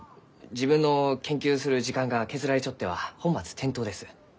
自分の研究する時間が削られちょっては本末転倒です。